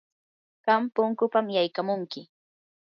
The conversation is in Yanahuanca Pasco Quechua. qam punkupam yaykamunki.